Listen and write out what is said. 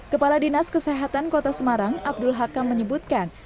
kepala dinas kesehatan kota semarang abdul hakam menyebutkan